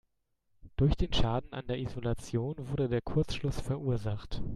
Durch den Schaden an der Isolation wurde der Kurzschluss verursacht.